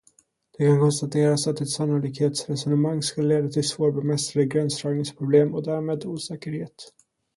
Det kan konstateras att ett sannolikhetsresonemang skulle leda till svårbemästrade gränsdragningsproblem och därmed osäkerhet.